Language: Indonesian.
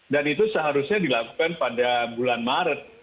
dan itu seharusnya dilakukan pada bulan maret